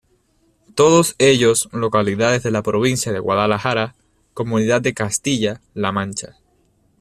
Todos ellos localidades de la provincia de Guadalajara, comunidad de Castilla-La Mancha.